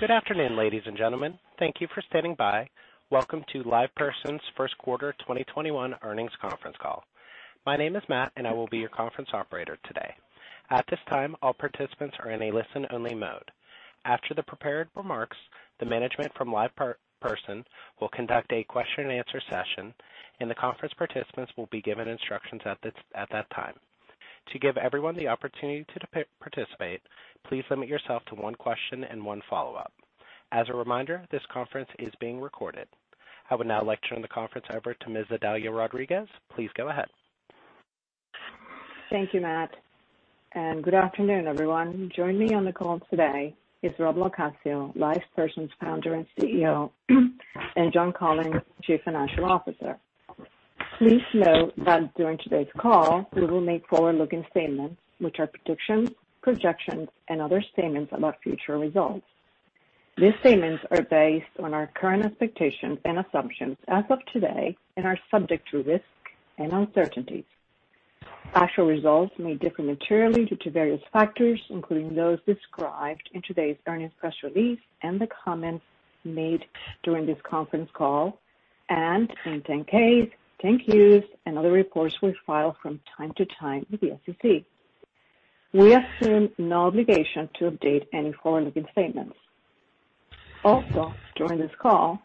Good afternoon, ladies and gentlemen. Thank you for standing by. Welcome to LivePerson's first quarter 2021 earnings conference call. My name is Matt, and I will be your conference operator today. At this time, all participants are in a listen-only mode. After the prepared remarks, the management from LivePerson will conduct a question and answer session, and the conference participants will be given instructions at that time. To give everyone the opportunity to participate, please limit yourself to one question and one follow-up. As a reminder, this conference is being recorded. I would now like to turn the conference over to Ms. Idalia Rodriguez. Please go ahead. Thank you, Matt. Good afternoon, everyone. Joining me on the call today is Rob LoCascio, LivePerson's Founder and CEO, and John Collins, Chief Financial Officer. Please note that during today's call, we will make forward-looking statements, which are predictions, projections, and other statements about future results. These statements are based on our current expectations and assumptions as of today and are subject to risks and uncertainties. Actual results may differ materially due to various factors, including those described in today's earnings press release and the comments made during this conference call, and in 10-K, 10-Q, and other reports we file from time to time with the SEC. We assume no obligation to update any forward-looking statements. During this call,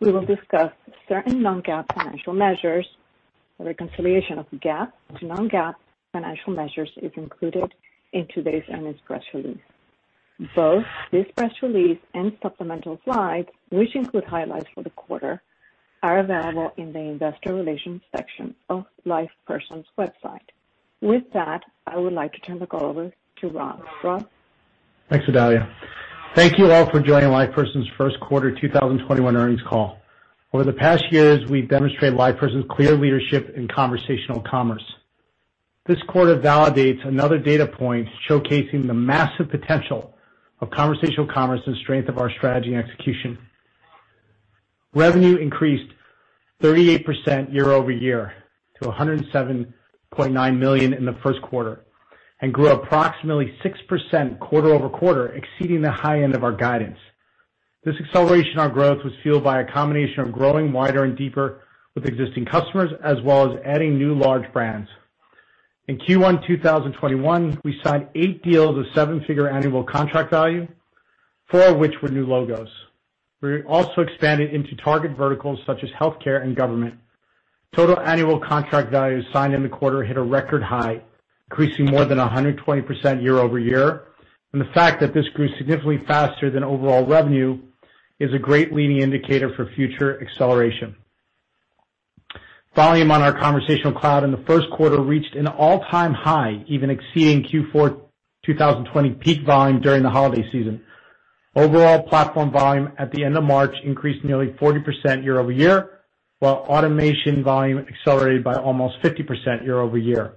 we will discuss certain non-GAAP financial measures. A reconciliation of GAAP to non-GAAP financial measures is included in today's earnings press release. Both this press release and supplemental slides, which include highlights for the quarter, are available in the investor relations section of LivePerson's website. With that, I would like to turn the call over to Rob. Rob? Thanks, Idalia. Thank you all for joining LivePerson's first quarter 2021 earnings call. Over the past years, we've demonstrated LivePerson's clear leadership in conversational commerce. This quarter validates another data point showcasing the massive potential of conversational commerce and strength of our strategy and execution. Revenue increased 38% year-over-year to $107.9 million in the first quarter and grew approximately 6% quarter-over-quarter, exceeding the high end of our guidance. This acceleration on growth was fueled by a combination of growing wider and deeper with existing customers, as well as adding new large brands. In Q1 2021, we signed eight deals of seven-figure annual contract value, four of which were new logos. We also expanded into target verticals such as healthcare and government. Total annual contract values signed in the quarter hit a record high, increasing more than 120% year-over-year. The fact that this grew significantly faster than overall revenue is a great leading indicator for future acceleration. Volume on our Conversational Cloud in the first quarter reached an all-time high, even exceeding Q4 2020 peak volume during the holiday season. Overall platform volume at the end of March increased nearly 40% year-over-year, while automation volume accelerated by almost 50% year-over-year.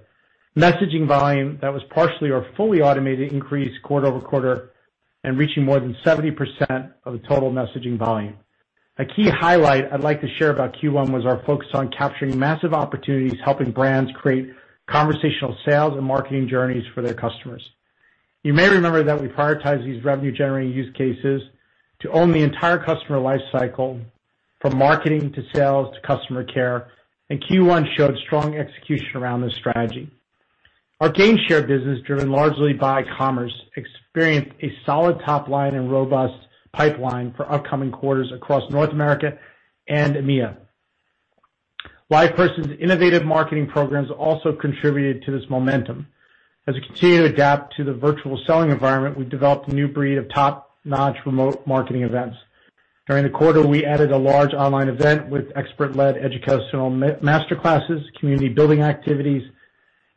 Messaging volume that was partially or fully automated increased quarter-over-quarter and reaching more than 70% of the total messaging volume. A key highlight I'd like to share about Q1 was our focus on capturing massive opportunities, helping brands create conversational sales and marketing journeys for their customers. You may remember that we prioritize these revenue-generating use cases to own the entire customer life cycle, from marketing to sales to customer care, and Q1 showed strong execution around this strategy. Our Gainshare business, driven largely by commerce, experienced a solid top line and robust pipeline for upcoming quarters across North America and EMEA. LivePerson's innovative marketing programs also contributed to this momentum. As we continue to adapt to the virtual selling environment, we've developed a new breed of top-notch remote marketing events. During the quarter, we added a large online event with expert-led educational master classes, community building activities,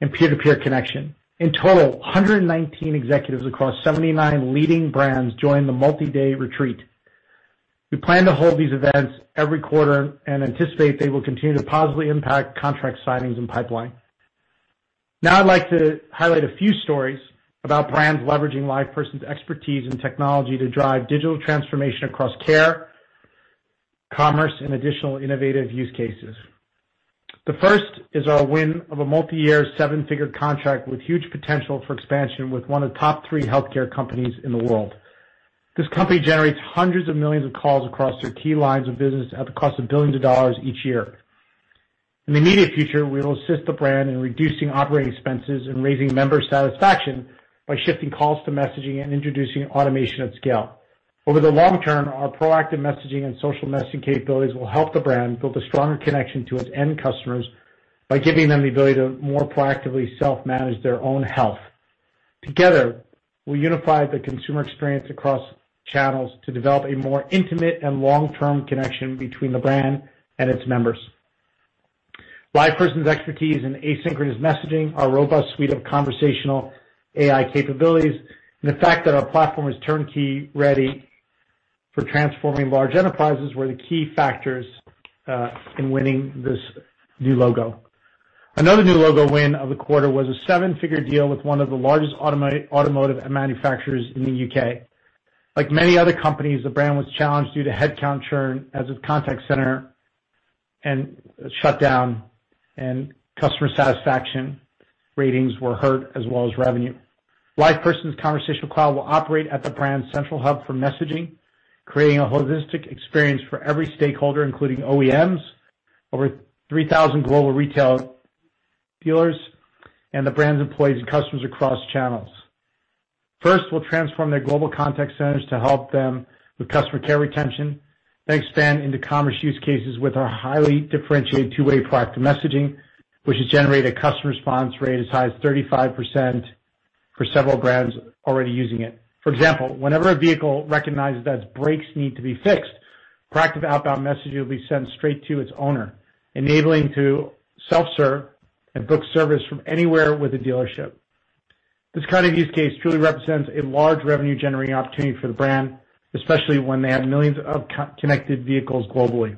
and peer-to-peer connection. In total, 119 executives across 79 leading brands joined the multi-day retreat. We plan to hold these events every quarter and anticipate they will continue to positively impact contract signings and pipeline. Now I'd like to highlight a few stories about brands leveraging LivePerson's expertise and technology to drive digital transformation across care, commerce, and additional innovative use cases. The first is our win of a multi-year seven figure contract with huge potential for expansion with one of the top three healthcare companies in the world. This company generates hundreds of millions of calls across their key lines of business at the cost of billions of dollars each year. In the immediate future, we will assist the brand in reducing operating expenses and raising member satisfaction by shifting calls to messaging and introducing automation at scale. Over the long term, our proactive messaging and social messaging capabilities will help the brand build a stronger connection to its end customers by giving them the ability to more proactively self-manage their own health. Together, we unify the consumer experience across channels to develop a more intimate and long-term connection between the brand and its members. LivePerson's expertise in asynchronous messaging, our robust suite of conversational AI capabilities, and the fact that our platform is turnkey ready for transforming large enterprises were the key factors in winning this new logo. Another new logo win of the quarter was a seven-figure deal with one of the largest automotive manufacturers in the U.K. Like many other companies, the brand was challenged due to headcount churn as its contact center and shut down and customer satisfaction ratings were hurt as well as revenue. LivePerson's Conversational Cloud will operate at the brand's central hub for messaging, creating a holistic experience for every stakeholder, including OEMs, over 3,000 global retail dealers, and the brand's employees and customers across channels. We'll transform their global contact centers to help them with customer care retention, then expand into commerce use cases with our highly differentiated two-way proactive messaging, which has generated a customer response rate as high as 35% for several brands already using it. For example, whenever a vehicle recognizes that its brakes need to be fixed, proactive outbound messaging will be sent straight to its owner, enabling to self-serve and book service from anywhere with a dealership. This kind of use case truly represents a large revenue-generating opportunity for the brand, especially when they have millions of connected vehicles globally.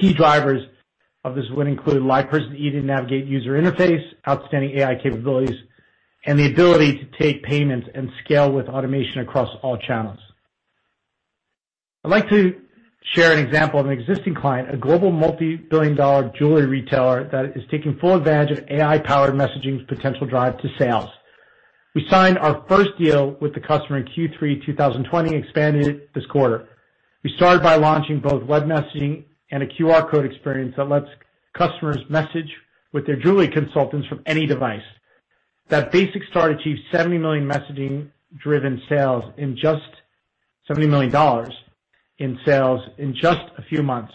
Key drivers of this win include LivePerson's easy-to-navigate user interface, outstanding AI capabilities, and the ability to take payments and scale with automation across all channels. I'd like to share an example of an existing client, a global multi-billion dollar jewelry retailer that is taking full advantage of AI-powered messaging's potential drive to sales. We signed our first deal with the customer in Q3 2020, expanded it this quarter. We started by launching both web messaging and a QR code experience that lets customers message with their jewelry consultants from any device. That basic start achieved $70 million in sales in just a few months.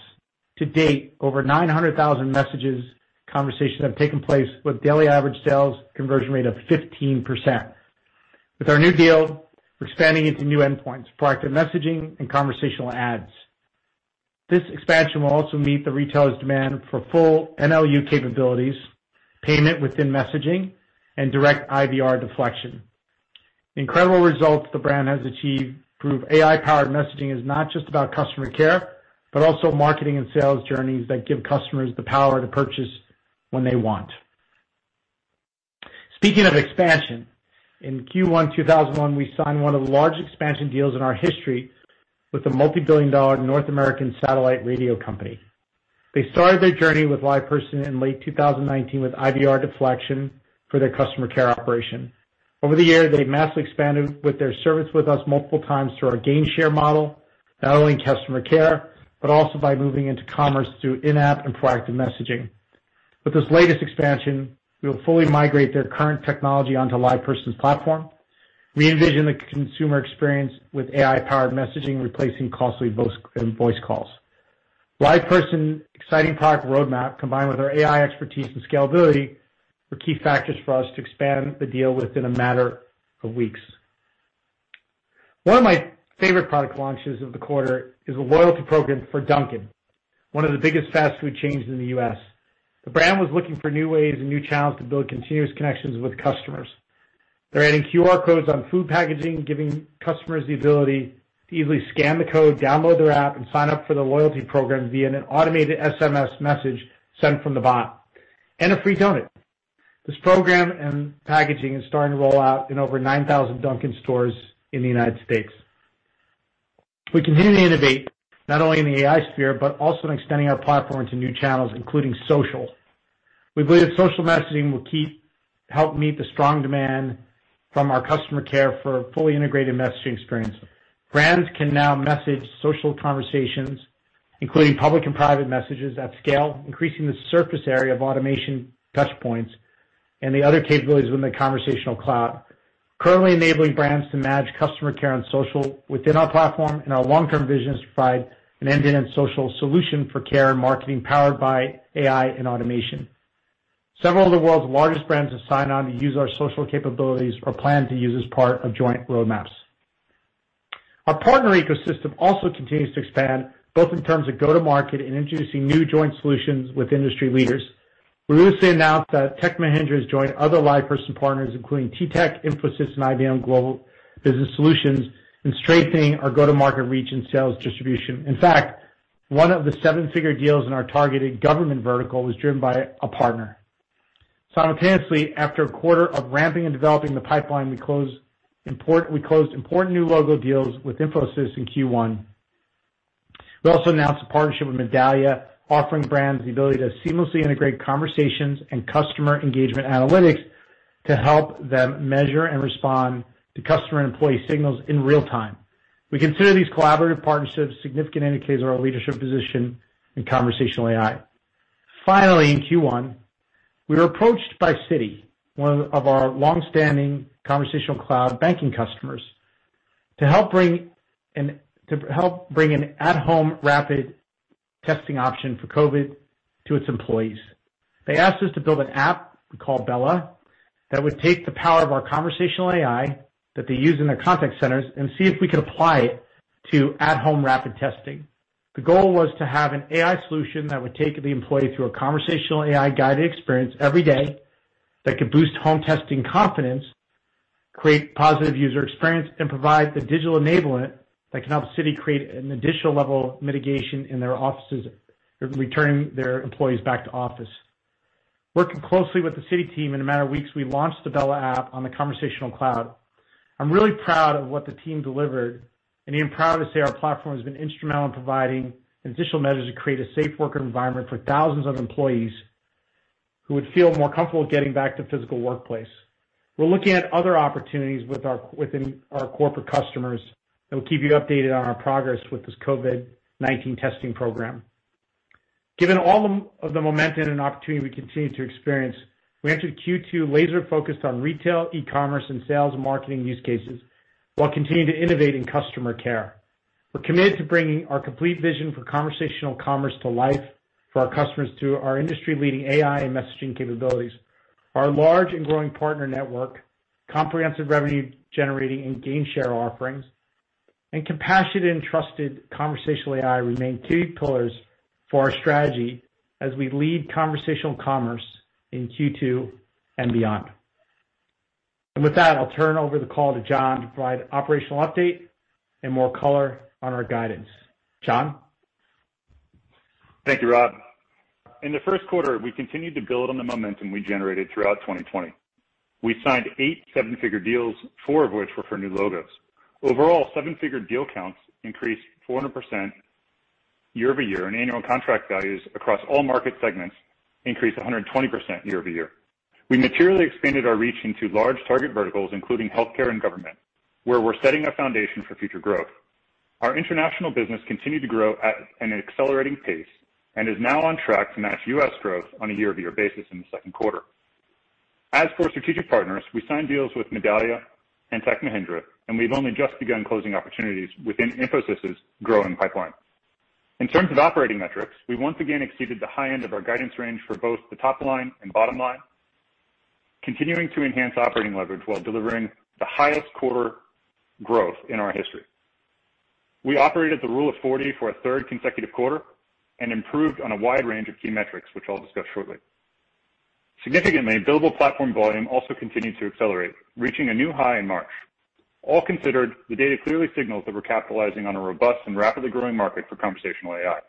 To date, over 900,000 message conversations have taken place with daily average sales conversion rate of 15%. With our new deal, we're expanding into new endpoints, proactive messaging, and conversational ads. This expansion will also meet the retailer's demand for full NLU capabilities, payment within messaging, and direct IVR deflection. The incredible results the brand has achieved prove AI-powered messaging is not just about customer care, but also marketing and sales journeys that give customers the power to purchase when they want. Speaking of expansion, in Q1 2021, we signed one of the largest expansion deals in our history with a multi-billion dollar North American satellite radio company. They started their journey with LivePerson in late 2019 with IVR deflection for their customer care operation. Over the year, they massively expanded with their service with us multiple times through our Gainshare model, not only in customer care, but also by moving into commerce through in-app and proactive messaging. With this latest expansion, we will fully migrate their current technology onto LivePerson's platform, re-envision the consumer experience with AI-powered messaging, replacing costly voice calls. LivePerson exciting product roadmap, combined with our AI expertise and scalability, were key factors for us to expand the deal within a matter of weeks. One of my favorite product launches of the quarter is a loyalty program for Dunkin', one of the biggest fast food chains in the U.S. The brand was looking for new ways and new channels to build continuous connections with customers. They're adding QR codes on food packaging, giving customers the ability to easily scan the code, download their app, and sign up for the loyalty program via an automated SMS message sent from the bot, and a free donut. This program and packaging is starting to roll out in over 9,000 Dunkin' stores in the United States. We continue to innovate, not only in the AI sphere, but also in extending our platform to new channels, including social. We believe social messaging will help meet the strong demand from our customer care for a fully integrated messaging experience. Brands can now message social conversations, including public and private messages at scale, increasing the surface area of automation touch points and the other capabilities within the Conversational Cloud. Currently enabling brands to manage customer care and social within our platform and our long-term vision is to provide an end-to-end social solution for care and marketing powered by AI and automation. Several of the world's largest brands have signed on to use our social capabilities or plan to use as part of joint roadmaps. Our partner ecosystem also continues to expand, both in terms of go-to-market and introducing new joint solutions with industry leaders. We recently announced that Tech Mahindra has joined other LivePerson partners, including TTEC, Infosys, and IBM Global Business Services in strengthening our go-to-market reach and sales distribution. In fact, one of the seven-figure deals in our targeted government vertical was driven by a partner. Simultaneously, after a quarter of ramping and developing the pipeline, we closed important new logo deals with Infosys in Q1. We also announced a partnership with Medallia, offering brands the ability to seamlessly integrate conversations and customer engagement analytics to help them measure and respond to customer and employee signals in real time. We consider these collaborative partnerships significant indicators of our leadership position in conversational AI. Finally, in Q1, we were approached by Citi, one of our longstanding Conversational Cloud banking customers, to help bring an at-home rapid testing option for COVID to its employees. They asked us to build an app, we call Bella, that would take the power of our conversational AI that they use in their contact centers and see if we could apply it to at-home rapid testing. The goal was to have an AI solution that would take the employee through a conversational AI-guided experience every day that could boost home testing confidence, create positive user experience, and provide the digital enablement that can help Citi create an additional level of mitigation in their offices, returning their employees back to office. Working closely with the Citi team, in a matter of weeks, we launched the Bella app on the Conversational Cloud. I'm really proud of what the team delivered, and even proud to say our platform has been instrumental in providing additional measures to create a safe working environment for thousands of employees who would feel more comfortable getting back to physical workplace. We're looking at other opportunities within our corporate customers, and we'll keep you updated on our progress with this COVID-19 testing program. Given all of the momentum and opportunity we continue to experience, we entered Q2 laser-focused on retail, e-commerce, and sales marketing use cases, while continuing to innovate in customer care. We're committed to bringing our complete vision for conversational commerce to life for our customers through our industry-leading AI and messaging capabilities. Our large and growing partner network, comprehensive revenue-generating and gainshare offerings, and compassionate and trusted conversational AI remain key pillars for our strategy as we lead conversational commerce in Q2 and beyond. With that, I'll turn over the call to John to provide operational update and more color on our guidance. John? Thank you, Rob. In the first quarter, we continued to build on the momentum we generated throughout 2020. We signed eight seven-figure deals, four of which were for new logos. Overall, seven-figure deal counts increased 400% year-over-year, and annual contract values across all market segments increased 120% year-over-year. We materially expanded our reach into large target verticals, including healthcare and government, where we're setting a foundation for future growth. Our international business continued to grow at an accelerating pace and is now on track to match U.S. growth on a year-over-year basis in the second quarter. As for strategic partners, we signed deals with Medallia and Tech Mahindra, and we've only just begun closing opportunities within Infosys' growing pipeline. In terms of operating metrics, we once again exceeded the high end of our guidance range for both the top line and bottom line, continuing to enhance operating leverage while delivering the highest quarter growth in our history. We operated the rule of 40 for a third consecutive quarter and improved on a wide range of key metrics, which I'll discuss shortly. Significantly, billable platform volume also continued to accelerate, reaching a new high in March. All considered, the data clearly signals that we're capitalizing on a robust and rapidly growing market for conversational AI.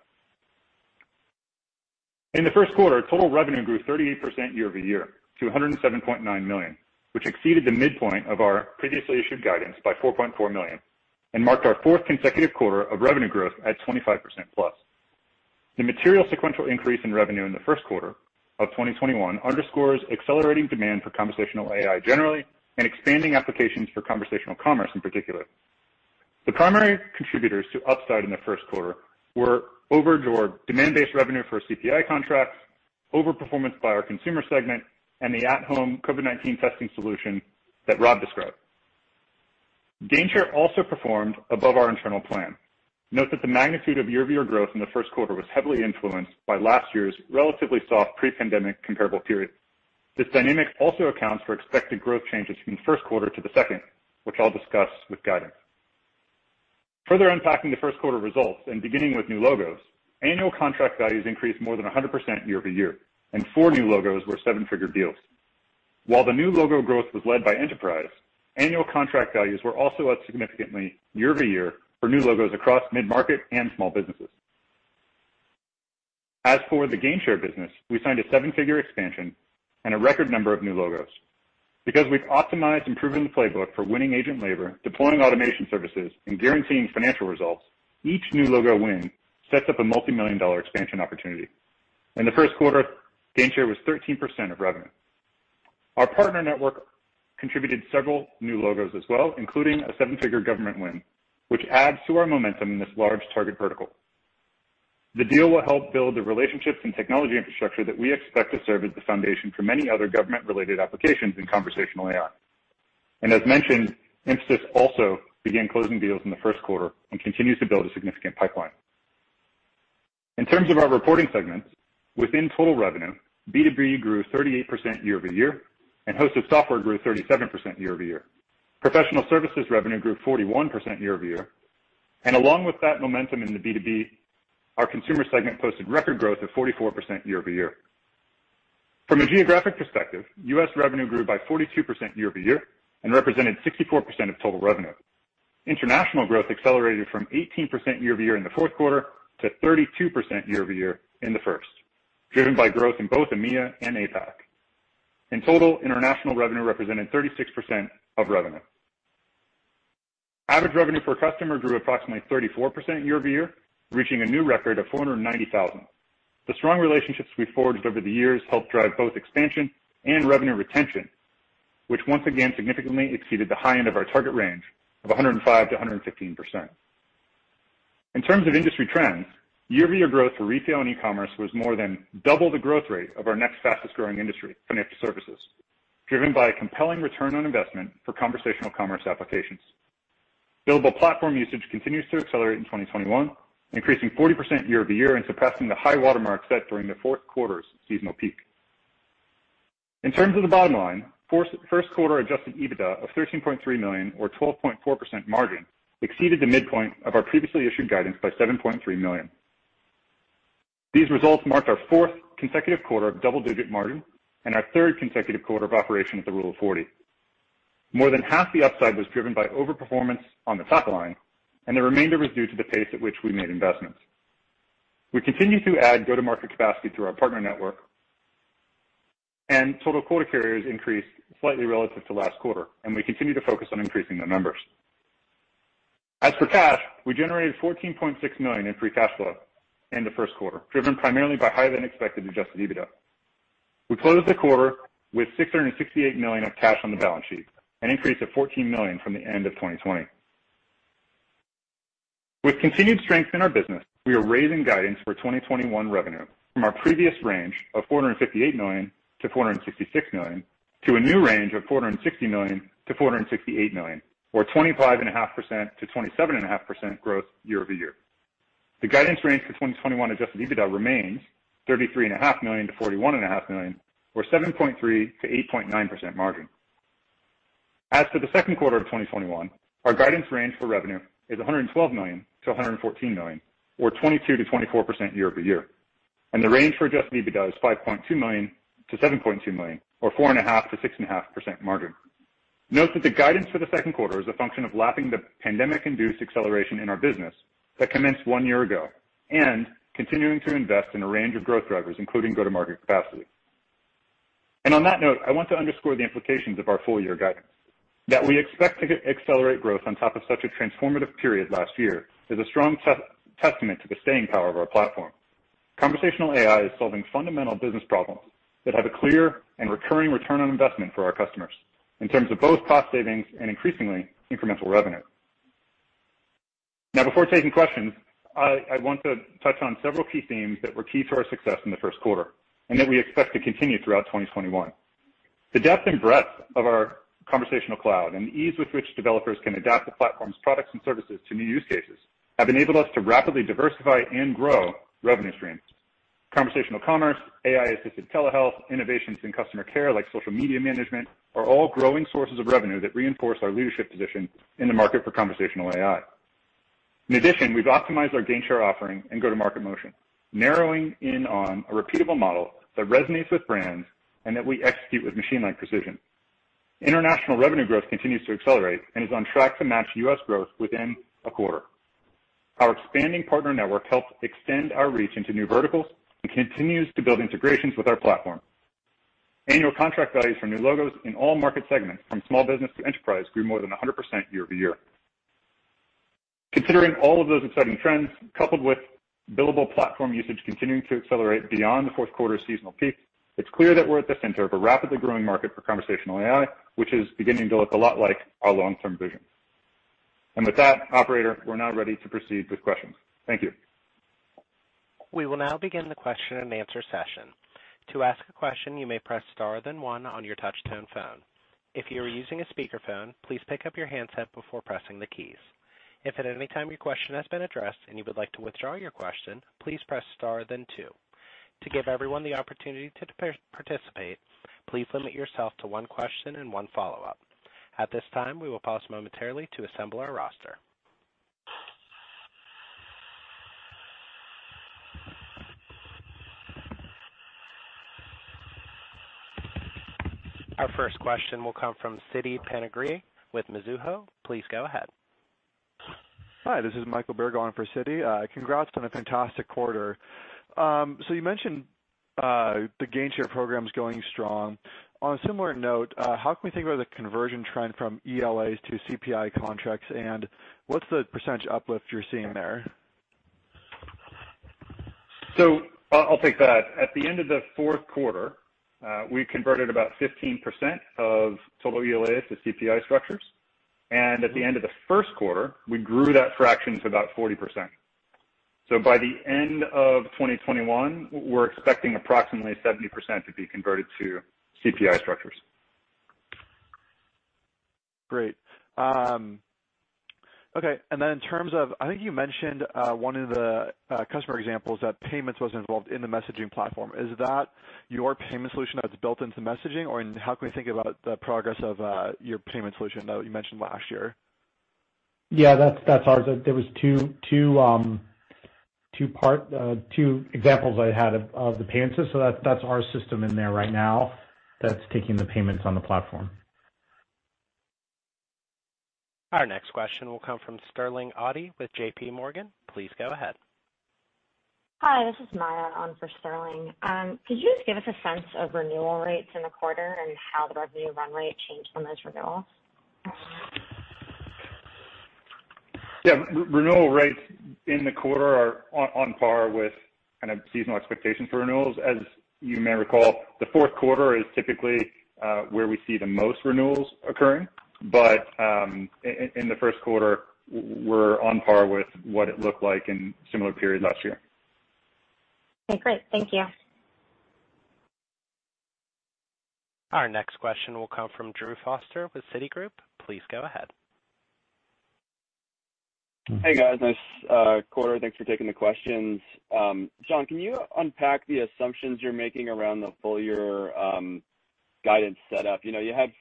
In the first quarter, total revenue grew 38% year-over-year to $107.9 million, which exceeded the midpoint of our previously issued guidance by $4.4 million and marked our fourth consecutive quarter of revenue growth at 25%+. The material sequential increase in revenue in the first quarter of 2021 underscores accelerating demand for conversational AI generally and expanding applications for conversational commerce in particular. The primary contributors to upside in the first quarter were over demand-based revenue for CPI contracts, over-performance by our consumer segment, and the at-home COVID-19 testing solution that Rob described. Gainshare also performed above our internal plan. Note that the magnitude of year-over-year growth in the first quarter was heavily influenced by last year's relatively soft pre-pandemic comparable period. This dynamic also accounts for expected growth changes from the first quarter to the second, which I'll discuss with guidance. Further unpacking the first quarter results and beginning with new logos, annual contract values increased more than 100% year-over-year, and four new logos were seven-figure deals. While the new logo growth was led by enterprise, annual contract values were also up significantly year-over-year for new logos across mid-market and small businesses. As for the Gainshare business, we signed a seven-figure expansion and a record number of new logos. Because we've optimized improving the playbook for winning agent labor, deploying automation services, and guaranteeing financial results, each new logo win sets up a multimillion-dollar expansion opportunity. In the first quarter, Gainshare was 13% of revenue. Our partner network contributed several new logos as well, including a seven-figure government win, which adds to our momentum in this large target vertical. The deal will help build the relationships and technology infrastructure that we expect to serve as the foundation for many other government-related applications in conversational AI. As mentioned, Infosys also began closing deals in the first quarter and continues to build a significant pipeline. In terms of our reporting segments, within total revenue, B2B grew 38% year-over-year, and hosted software grew 37% year-over-year. Professional services revenue grew 41% year-over-year. Along with that momentum in the B2B, our consumer segment posted record growth of 44% year-over-year. From a geographic perspective, U.S. revenue grew by 42% year-over-year and represented 64% of total revenue. International growth accelerated from 18% year-over-year in the fourth quarter to 32% year-over-year in the first, driven by growth in both EMEA and APAC. In total, international revenue represented 36% of revenue. Average revenue per customer grew approximately 34% year-over-year, reaching a new record of $490,000. The strong relationships we forged over the years helped drive both expansion and revenue retention, which once again significantly exceeded the high end of our target range of 105%-115%. In terms of industry trends, year-over-year growth for retail and e-commerce was more than double the growth rate of our next fastest-growing industry, financial services, driven by a compelling return on investment for conversational commerce applications. Billable platform usage continues to accelerate in 2021, increasing 40% year-over-year and surpassing the high watermark set during the fourth quarter's seasonal peak. In terms of the bottom line, first quarter adjusted EBITDA of $13.3 million or 12.4% margin exceeded the midpoint of our previously issued guidance by $7.3 million. These results marked our fourth consecutive quarter of double-digit margin and our third consecutive quarter of operation at the rule of 40. More than half the upside was driven by overperformance on the top line, and the remainder was due to the pace at which we made investments. We continue to add go-to-market capacity through our partner network, and total quota carriers increased slightly relative to last quarter, and we continue to focus on increasing their numbers. As for cash, we generated $14.6 million in free cash flow in the first quarter, driven primarily by higher-than-expected adjusted EBITDA. We closed the quarter with $668 million of cash on the balance sheet, an increase of $14 million from the end of 2020. With continued strength in our business, we are raising guidance for 2021 revenue from our previous range of $458 million-$466 million to a new range of $460 million-$468 million, or 25.5%-27.5% growth year-over-year. The guidance range for 2021 adjusted EBITDA remains $33.5 million-$41.5 million, or 7.3%-8.9% margin. As for the second quarter of 2021, our guidance range for revenue is $112 million-$114 million, or 22%-24% year-over-year, and the range for adjusted EBITDA is $5.2 million-$7.2 million, or 4.5%-6.5% margin. Note that the guidance for the second quarter is a function of lapping the pandemic-induced acceleration in our business that commenced one year ago and continuing to invest in a range of growth drivers, including go-to-market capacity. On that note, I want to underscore the implications of our full-year guidance, that we expect to accelerate growth on top of such a transformative period last year is a strong testament to the staying power of our platform. Conversational AI is solving fundamental business problems that have a clear and recurring return on investment for our customers in terms of both cost savings and increasingly, incremental revenue. Before taking questions, I want to touch on several key themes that were key to our success in the first quarter and that we expect to continue throughout 2021. The depth and breadth of our Conversational Cloud and the ease with which developers can adapt the platform's products and services to new use cases have enabled us to rapidly diversify and grow revenue streams. Conversational commerce, AI-assisted telehealth, innovations in customer care like social media management are all growing sources of revenue that reinforce our leadership position in the market for conversational AI. In addition, we've optimized our Gainshare offering and go-to-market motion, narrowing in on a repeatable model that resonates with brands and that we execute with machine-like precision. International revenue growth continues to accelerate and is on track to match U.S. growth within a quarter. Our expanding partner network helps extend our reach into new verticals and continues to build integrations with our platform. Annual contract values for new logos in all market segments, from small business to enterprise, grew more than 100% year-over-year. Considering all of those exciting trends, coupled with billable platform usage continuing to accelerate beyond the fourth quarter seasonal peak, it's clear that we're at the center of a rapidly growing market for conversational AI, which is beginning to look a lot like our long-term vision. With that, operator, we're now ready to proceed with questions. Thank you. We will now begin the question and answer session. To ask a question, you may press star then one on your touch-tone phone. If you are using a speakerphone, please pick up your handset before pressing the keys. If at any time your question has been addressed and you would like to withdraw your question, please press star then two. To give everyone the opportunity to participate, please limit yourself to one question and one follow-up. At this time, we will pause momentarily to assemble our roster. Our first question will come from Siti Panigrahi with Mizuho. Please go ahead. Hi, this is Michael Berg on for Citi. Congrats on a fantastic quarter. You mentioned the Gainshare program's going strong. On a similar note, how can we think about the conversion trend from ELAs to CPI contracts, and what's the percentage uplift you're seeing there? I'll take that. At the end of the fourth quarter, we converted about 15% of total ELAs to CPI structures. At the end of the first quarter, we grew that fraction to about 40%. By the end of 2021, we're expecting approximately 70% to be converted to CPI structures. Great. Okay. In terms of, I think you mentioned one of the customer examples that payments was involved in the messaging platform. Is that your payment solution that's built into messaging, or how can we think about the progress of your payment solution that you mentioned last year? Yeah, that's ours. There was two examples I had of the payments. That's our system in there right now that's taking the payments on the platform. Our next question will come from Sterling Auty with JPMorgan. Please go ahead. Hi, this is Maya on for Sterling. Could you just give us a sense of renewal rates in the quarter and how the revenue runway changed from those renewals? Yeah. Renewal rates in the quarter are on par with kind of seasonal expectations for renewals. As you may recall, the fourth quarter is typically where we see the most renewals occurring. In the first quarter, we're on par with what it looked like in a similar period last year. Okay, great. Thank you. Our next question will come from Drew Foster with Citigroup. Please go ahead. Hey, guys. Nice quarter. Thanks for taking the questions. John, can you unpack the assumptions you're making around the full-year guidance setup? You had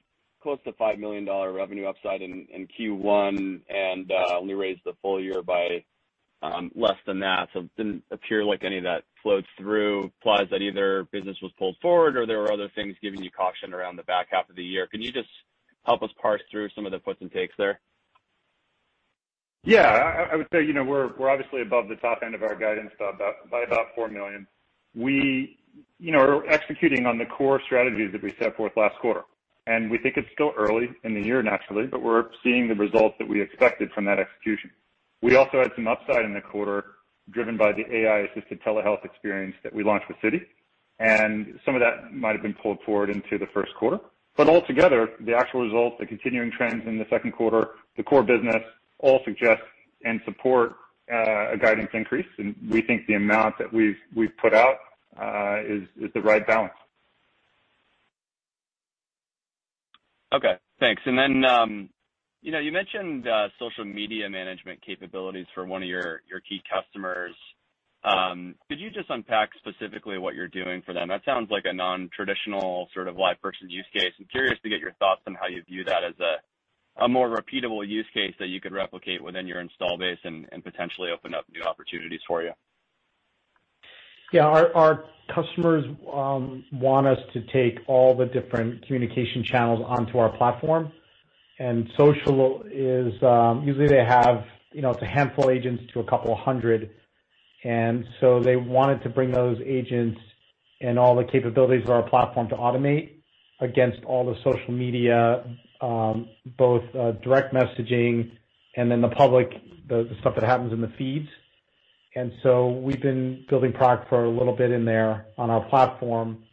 close to $5 million revenue upside in Q1 and only raised the full-year by less than that. It didn't appear like any of that flowed through, implies that either business was pulled forward or there were other things giving you caution around the back half of the year. Can you just help us parse through some of the puts and takes there? Yeah. I would say, we're obviously above the top end of our guidance by about $4 million. We're executing on the core strategies that we set forth last quarter. We think it's still early in the year, naturally, but we're seeing the results that we expected from that execution. We also had some upside in the quarter driven by the AI-assisted telehealth experience that we launched with Citi, and some of that might have been pulled forward into the first quarter. Altogether, the actual results, the continuing trends in the second quarter, the core business, all suggest and support a guidance increase, and we think the amount that we've put out is the right balance. Okay, thanks. You mentioned social media management capabilities for one of your key customers. Could you just unpack specifically what you are doing for them? That sounds like a non-traditional sort of LivePerson use case. I am curious to get your thoughts on how you view that as a more repeatable use case that you could replicate within your install base and potentially open up new opportunities for you. Yeah. Our customers want us to take all the different communication channels onto our platform. Social is, usually they have, it's a handful of agents to 200, so they wanted to bring those agents and all the capabilities of our platform to automate against all the social media, both direct messaging and then the public, the stuff that happens in the feeds. We've been building product for a little bit in there on our platform,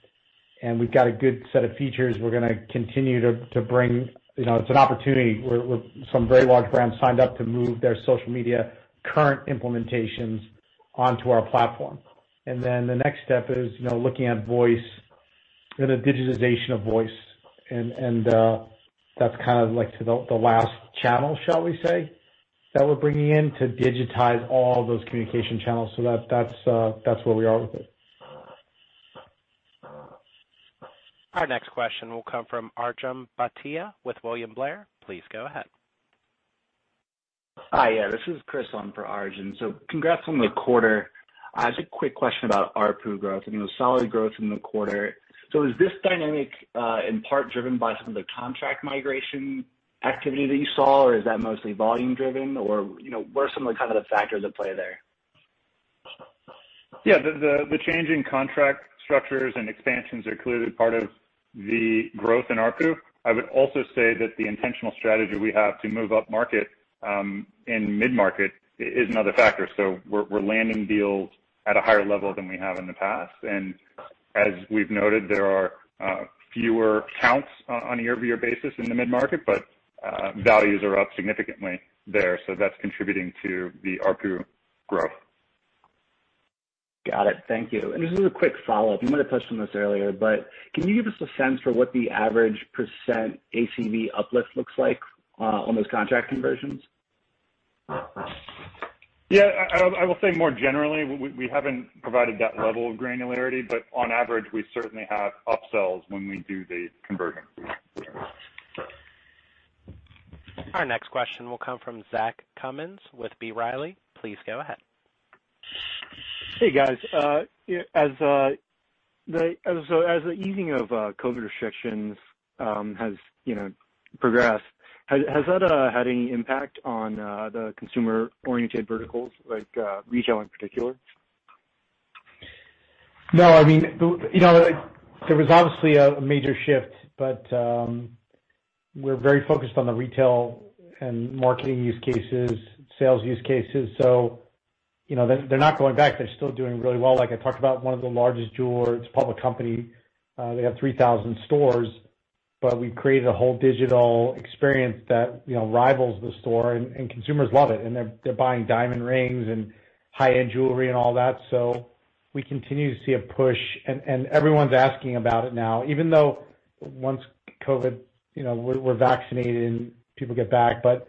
and we've got a good set of features we're gonna continue to bring. It's an opportunity. Some very large brands signed up to move their social media current implementations onto our platform. Then the next step is looking at voice and the digitization of voice. That's kind of the last channel, shall we say, that we're bringing in to digitize all those communication channels. That's where we are with it. Our next question will come from Arjun Bhatia with William Blair. Please go ahead. Hi, yeah. This is Chris on for Arjun. Congrats on the quarter. I have just a quick question about ARPU growth. It was solid growth in the quarter. Is this dynamic in part driven by some of the contract migration activity that you saw, or is that mostly volume driven, or what are some of the factors at play there? Yeah. The change in contract structures and expansions are clearly part of the growth in ARPU. I would also say that the intentional strategy we have to move up market in mid-market is another factor. We're landing deals at a higher level than we have in the past. As we've noted, there are fewer counts on a year-over-year basis in the mid-market, but values are up significantly there, so that's contributing to the ARPU growth. Got it. Thank you. Just as a quick follow-up, you might have touched on this earlier, but can you give us a sense for what the average percent ACV uplift looks like on those contract conversions? Yeah. I will say more generally, we haven't provided that level of granularity, but on average, we certainly have upsells when we do the conversion. Our next question will come from Zach Cummins with B. Riley. Please go ahead. Hey, guys. As the easing of COVID restrictions has progressed, has that had any impact on the consumer-oriented verticals like retail in particular? No, there was obviously a major shift, but we're very focused on the retail and marketing use cases, sales use cases. They're not going back. They're still doing really well. Like I talked about, one of the largest jewelers, public company, they have 3,000 stores, but we've created a whole digital experience that rivals the store, and consumers love it. They're buying diamond rings and high-end jewelry and all that. We continue to see a push, and everyone's asking about it now. Even though once COVID, we're vaccinated and people get back, but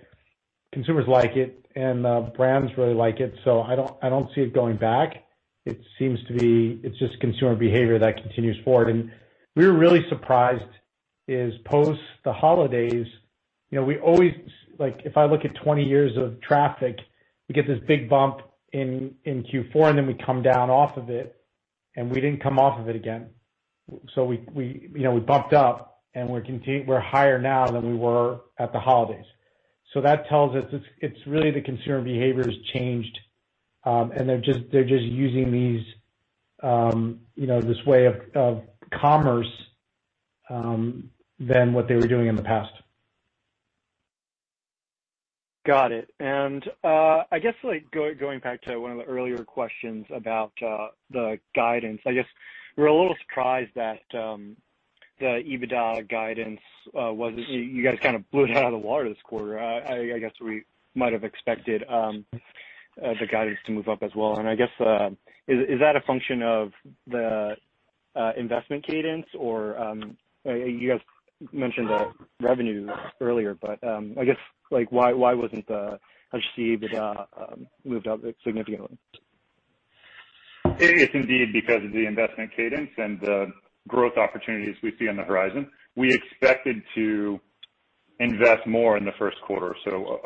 consumers like it, and brands really like it, so I don't see it going back. It seems to be it's just consumer behavior that continues forward. We were really surprised is post the holidays, if I look at 20 years of traffic, we get this big bump in Q4, and then we come down off of it, and we didn't come off of it again. We bumped up, and we're higher now than we were at the holidays. That tells us it's really the consumer behavior has changed, and they're just using this way of commerce than what they were doing in the past. Got it. I guess going back to one of the earlier questions about the guidance, I guess we're a little surprised that the EBITDA guidance was, you guys kind of blew it out of the water this quarter. I guess we might have expected the guidance to move up as well. I guess, is that a function of the investment cadence, or you guys mentioned revenue earlier, but I guess why wasn't the EBITDA moved up significantly? It's indeed because of the investment cadence and the growth opportunities we see on the horizon. We expected to invest more in the first quarter.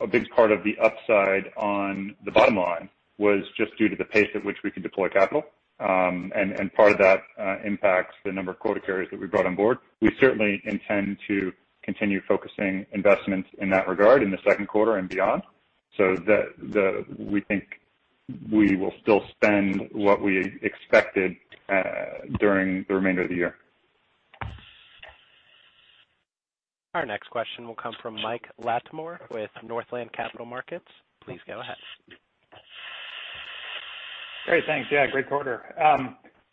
A big part of the upside on the bottom line was just due to the pace at which we could deploy capital. Part of that impacts the number of quota carriers that we brought on board. We certainly intend to continue focusing investments in that regard in the second quarter and beyond, we think we will still spend what we expected during the remainder of the year. Our next question will come from Michael Latimore with Northland Capital Markets. Please go ahead. Great. Thanks. Yeah, great quarter.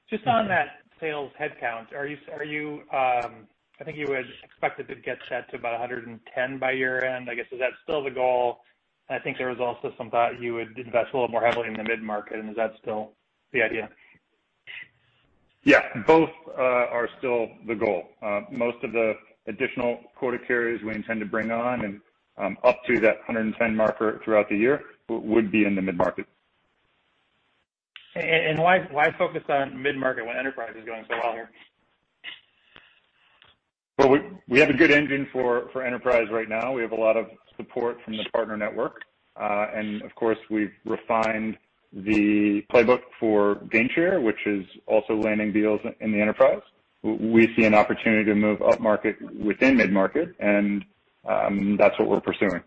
Just on that sales headcount, I think you had expected to get that to about 110 by year-end. I guess is that still the goal? I think there was also some thought you would invest a little more heavily in the mid-market. Is that still the idea? Yeah, both are still the goal. Most of the additional quota carriers we intend to bring on and up to that 110 marker throughout the year would be in the mid-market. Why focus on mid-market when enterprise is going so well here? Well, we have a good engine for enterprise right now. We have a lot of support from the partner network. Of course, we've refined the playbook for GainShare, which is also landing deals in the enterprise. We see an opportunity to move up market within mid-market, and that's what we're pursuing.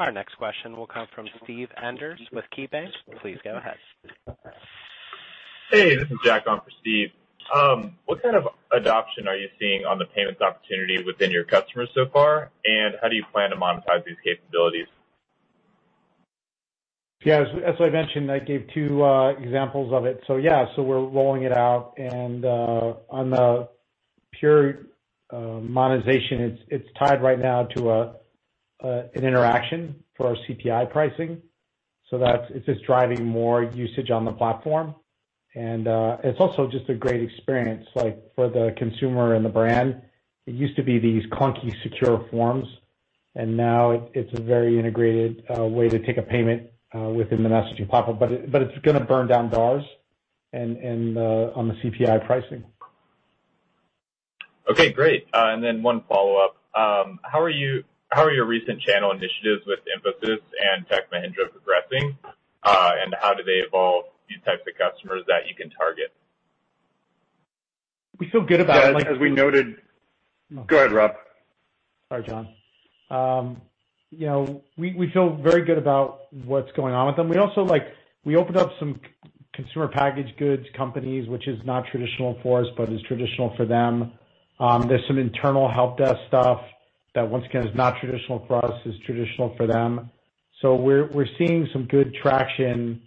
Our next question will come from Steve Enders with KeyBanc. Please go ahead. Hey, this is Jack on for Steve. What kind of adoption are you seeing on the payments opportunity within your customers so far, and how do you plan to monetize these capabilities? Yeah. As I mentioned, I gave two examples of it. Yeah, we're rolling it out and on the pure monetization, it's tied right now to an interaction for our CPI pricing. It's just driving more usage on the platform. It's also just a great experience like for the consumer and the brand. It used to be these clunky, secure forms, and now it's a very integrated way to take a payment within the messaging platform. It's going to burn down dollars on the CPI pricing. Okay, great. One follow-up. How are your recent channel initiatives with Infosys and Tech Mahindra progressing? How do they evolve the types of customers that you can target? We feel good about. Go ahead, Rob. Sorry, John. We feel very good about what's going on with them. We opened up some consumer packaged goods companies, which is not traditional for us, but is traditional for them. There's some internal help desk stuff that once again, is not traditional for us, is traditional for them. We're seeing some good traction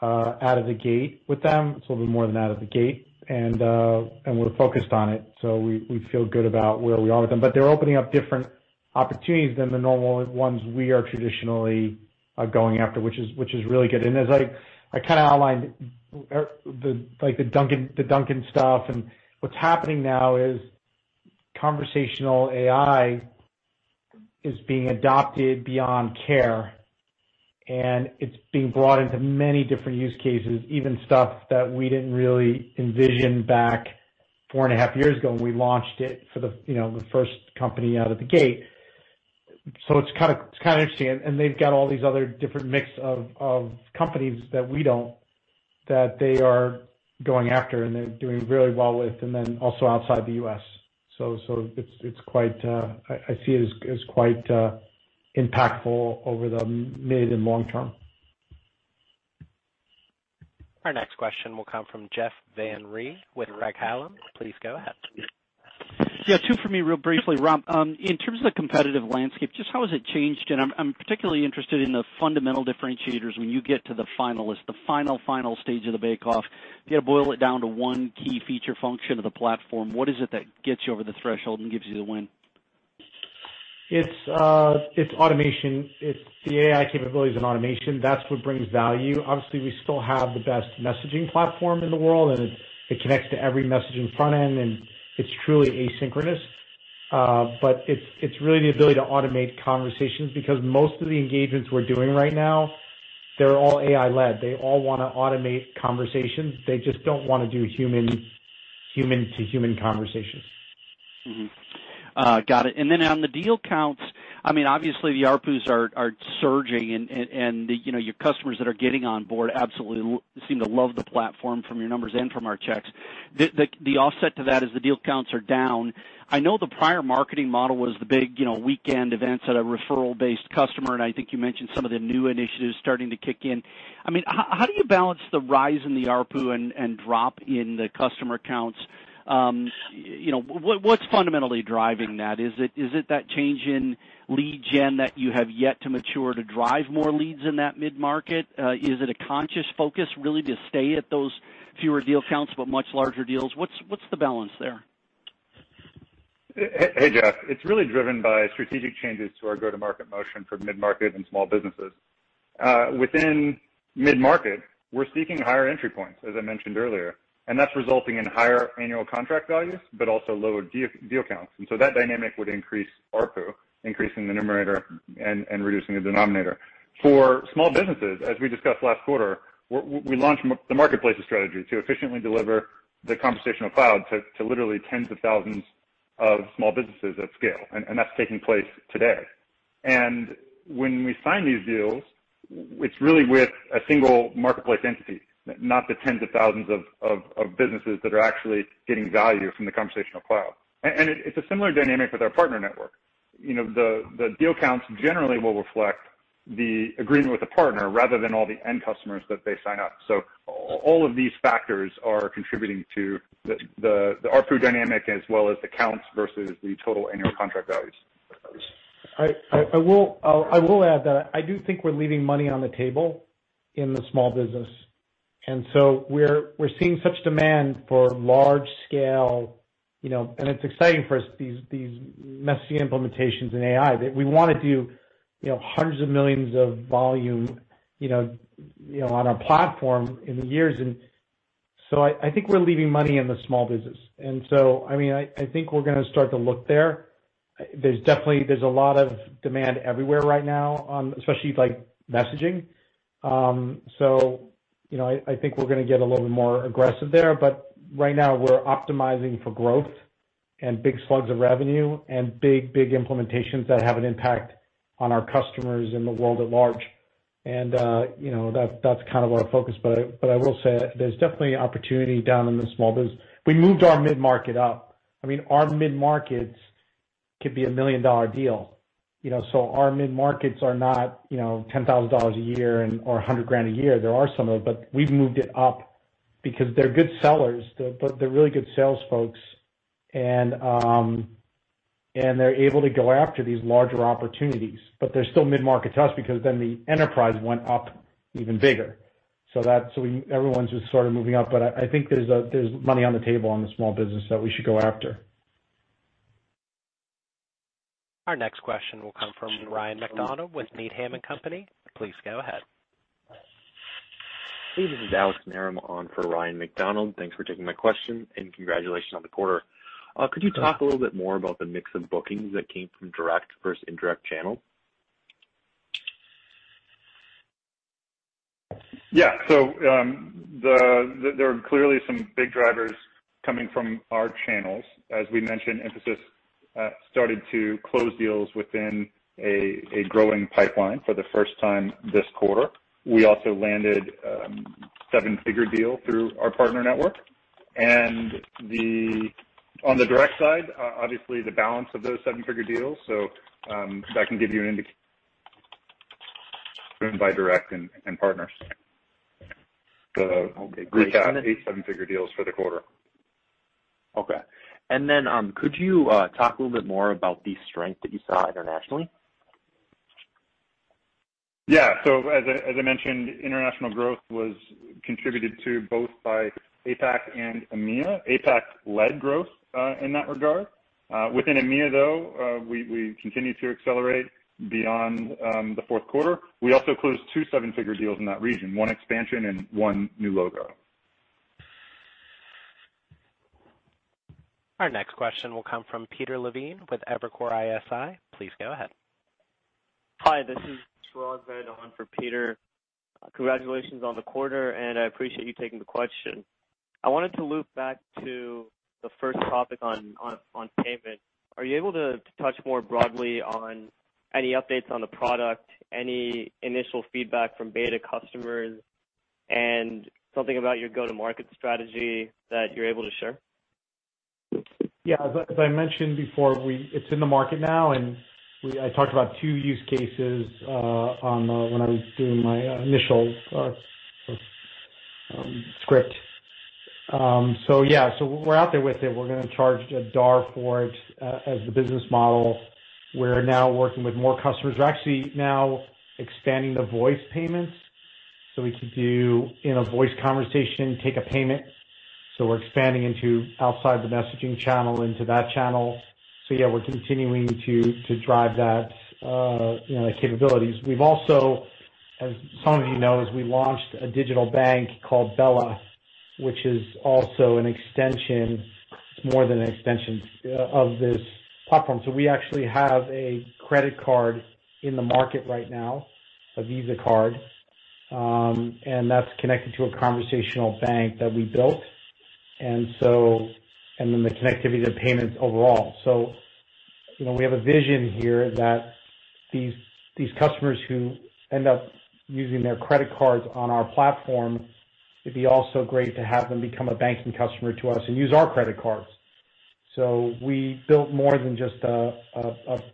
out of the gate with them. It's a little bit more than out of the gate and we're focused on it, so we feel good about where we are with them. They're opening up different opportunities than the normal ones we are traditionally going after, which is really good. As I outlined, like the Dunkin' stuff, and what's happening now is conversational AI is being adopted beyond care, and it's being brought into many different use cases, even stuff that we didn't really envision back four and a half years ago when we launched it for the first company out of the gate. It's kind of interesting. They've got all these other different mix of companies that we don't, that they are going after, and they're doing really well with, and then also outside the U.S. I see it as quite impactful over the mid and long term. Our next question will come from Jeff Van Rhee with Craig-Hallum. Please go ahead. Yeah, two for me real briefly, Rob. In terms of the competitive landscape, just how has it changed? I'm particularly interested in the fundamental differentiators when you get to the finalist, the final stage of the bake-off. You got to boil it down to one key feature function of the platform. What is it that gets you over the threshold and gives you the win? It's automation. It's the AI capabilities and automation. That's what brings value. Obviously, we still have the best messaging platform in the world, and it connects to every messaging front-end, and it's truly asynchronous. It's really the ability to automate conversations because most of the engagements we're doing right now, they're all AI-led. They all want to automate conversations. They just don't want to do human-to-human conversations. Got it. On the deal counts, I mean, obviously the ARPUs are surging and your customers that are getting on board absolutely seem to love the platform from your numbers and from our checks. The offset to that is the deal counts are down. I know the prior marketing model was the big weekend events at a referral-based customer, and I think you mentioned some of the new initiatives starting to kick in. How do you balance the rise in the ARPU and drop in the customer counts? What's fundamentally driving that? Is it that change in lead gen that you have yet to mature to drive more leads in that mid-market? Is it a conscious focus really to stay at those fewer deal counts but much larger deals? What's the balance there? Hey, Jeff. It's really driven by strategic changes to our go-to-market motion for mid-market and small businesses. Within mid-market, we're seeking higher entry points, as I mentioned earlier. That's resulting in higher annual contract values, also lower deal counts. That dynamic would increase ARPU, increasing the numerator and reducing the denominator. For small businesses, as we discussed last quarter, we launched the marketplaces strategy to efficiently deliver the Conversational Cloud to literally tens of thousands of small businesses at scale. That's taking place today. When we sign these deals, it's really with a single marketplace entity, not the tens of thousands of businesses that are actually getting value from the Conversational Cloud. It's a similar dynamic with our partner network. The deal counts generally will reflect the agreement with the partner rather than all the end customers that they sign up. All of these factors are contributing to the ARPU dynamic as well as the counts versus the total annual contract values. I will add that I do think we're leaving money on the table in the small business. We're seeing such demand for large scale, and it's exciting for us, these messy implementations in AI, that we want to do hundreds of millions of volume on our platform in years. I think we're leaving money in the small business. I think we're going to start to look there. There's a lot of demand everywhere right now, especially like messaging. I think we're going to get a little bit more aggressive there, but right now we're optimizing for growth and big slugs of revenue and big implementations that have an impact on our customers in the world at large. That's kind of our focus. I will say there's definitely opportunity down in the small business. We moved our mid-market up. Our mid-markets could be a million-dollar deal. Our mid-markets are not $10,000 a year or $100,000 a year. There are some of them, we've moved it up because they're good sellers. They're really good sales folks, they're able to go after these larger opportunities. They're still mid-market to us because the enterprise went up even bigger. Everyone's just sort of moving up. I think there's money on the table on the small business that we should go after. Our next question will come from Ryan MacDonald with Needham & Company. Please go ahead. Hey, this is Alex Narum on for Ryan MacDonald. Thanks for taking my question and congratulations on the quarter. Could you talk a little bit more about the mix of bookings that came from direct versus indirect channel? Yeah. There are clearly some big drivers coming from our channels. As we mentioned, Mphasis started to close deals within a growing pipeline for the first time this quarter. We also landed a seven-figure deal through our partner network. On the direct side, obviously the balance of those seven-figure deals. That can give you an indication by direct and partners. Okay, great. We've got eight seven-figure deals for the quarter. Okay. Could you talk a little bit more about the strength that you saw internationally? As I mentioned, international growth was contributed to both by APAC and EMEA. APAC led growth, in that regard. Within EMEA, though, we continue to accelerate beyond the fourth quarter. We also closed two seven-figure deals in that region, one expansion and one new logo. Our next question will come from Peter Levine with Evercore ISI. Please go ahead. Hi, this is Chirag Ved on for Peter. Congratulations on the quarter, and I appreciate you taking the question. I wanted to loop back to the first topic on payment. Are you able to touch more broadly on any updates on the product, any initial feedback from beta customers, and something about your go-to-market strategy that you're able to share? Yeah. As I mentioned before, it's in the market now, and I talked about two use cases when I was doing my initial script. Yeah, so we're out there with it. We're going to charge a DAR for it as the business model. We're now working with more customers. We're actually now expanding the voice payments so we could do in a voice conversation, take a payment. We're expanding into outside the messaging channel into that channel. Yeah, we're continuing to drive that capabilities. We've also, as some of you know, is we launched a digital bank called Bella, which is also an extension, it's more than an extension of this platform. We actually have a credit card in the market right now, a Visa card, and that's connected to a conversational bank that we built. The connectivity to payments overall. We have a vision here that these customers who end up using their credit cards on our platform, it'd be also great to have them become a banking customer to us and use our credit cards. We built more than just a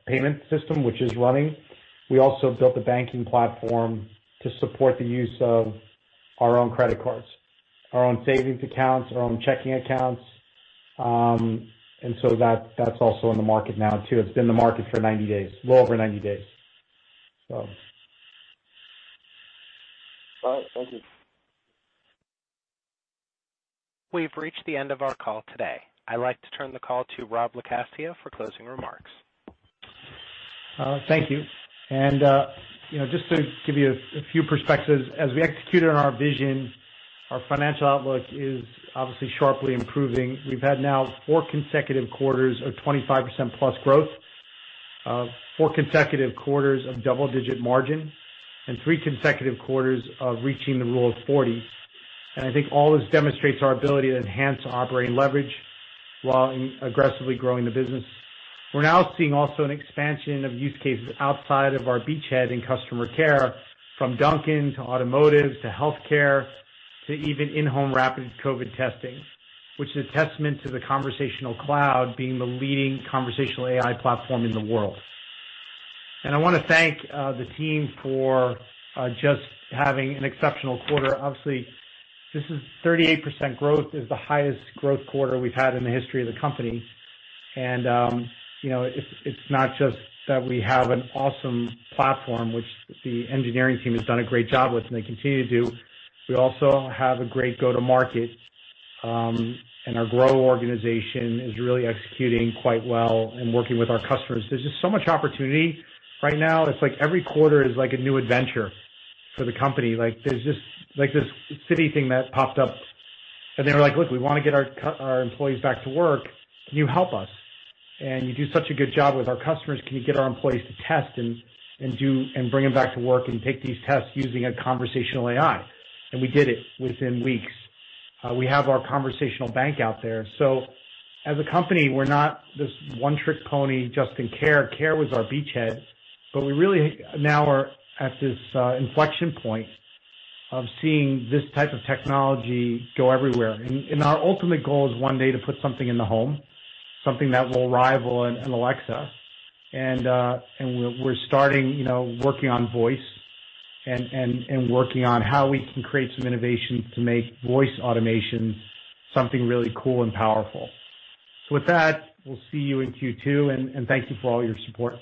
payment system, which is running. We also built a banking platform to support the use of our own credit cards, our own savings accounts, our own checking accounts. That's also in the market now too. It's been in the market for 90 days, a little over 90 days. All right. Thank you. We've reached the end of our call today. I'd like to turn the call to Rob LoCascio for closing remarks. Thank you. Just to give you a few perspectives as we executed on our vision. Our financial outlook is obviously sharply improving. We've had now four consecutive quarters of 25%+ growth, four consecutive quarters of double-digit margin, and three consecutive quarters of reaching the Rule of 40. I think all this demonstrates our ability to enhance operating leverage while aggressively growing the business. We're now seeing also an expansion of use cases outside of our beachhead in customer care, from Dunkin', to automotive, to healthcare, to even in-home rapid COVID testing, which is a testament to the Conversational Cloud being the leading conversational AI platform in the world. I want to thank the team for just having an exceptional quarter. Obviously, this is 38% growth, is the highest growth quarter we've had in the history of the company. It's not just that we have an awesome platform, which the engineering team has done a great job with, and they continue to do. We also have a great go-to-market, and our grow organization is really executing quite well and working with our customers. There's just so much opportunity right now. It's like every quarter is like a new adventure for the company. There's this Citi thing that popped up and they were like, "Look, we want to get our employees back to work. Can you help us? And you do such a good job with our customers, can you get our employees to test and bring them back to work and take these tests using a conversational AI?" We did it within weeks. We have our conversational bank out there. As a company, we're not this one-trick pony just in care. Care was our beachhead. We really now are at this inflection point of seeing this type of technology go everywhere. Our ultimate goal is one day to put something in the home, something that will rival an Alexa. We're starting working on voice and working on how we can create some innovation to make voice automation something really cool and powerful. With that, we'll see you in Q2, and thank you for all your support.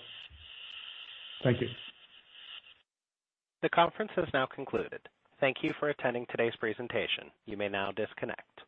Thank you. The conference has now concluded. Thank you for attending today's presentation. You may now disconnect.